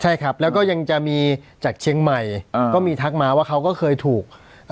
ใช่ครับแล้วก็ยังจะมีจากเชียงใหม่ก็มีทักมาว่าเขาก็เคยถูก